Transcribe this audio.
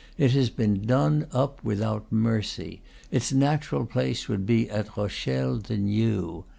It has been "done up" without mercy; its natural place would be at Rochelle the New.